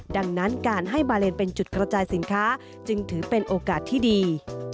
ดังนั้นการให้บาเลนเป็นจุดกระจายสินค้าจึงถือเป็นโอกาสที่ดี